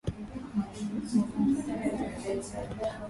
Magonjwa ya ngombe kuhara